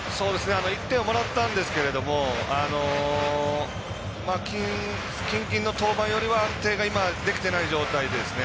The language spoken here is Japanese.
１点をもらったんですけど近々の登板よりは安定ができてない状況ですね。